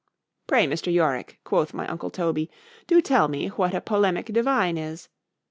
—Pray, Mr. Yorick, quoth my uncle Toby,—do tell me what a polemic divine is?